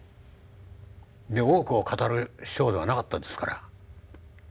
で多くを語る師匠ではなかったですから。